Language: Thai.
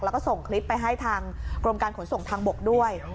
แล้วก็ส่งคลิปไปให้ทางกรมการขนส่งทางบกด้วย